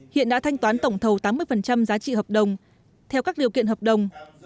hiện đã thanh toán tổng thầu tám mươi giá trị hợp đồng theo các điều kiện hợp đồng